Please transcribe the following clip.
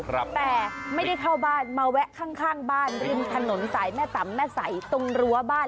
แต่ไม่ได้เข้าบ้านมาแวะข้างข้างบ้านริมถนนสายแม่ตำแม่ใสตรงรั้วบ้าน